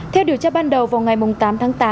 theo điều tra ban đầu vào ngày tám tháng tám